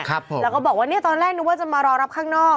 แล้วก็บอกว่าเนี่ยตอนแรกนึกว่าจะมารอรับข้างนอก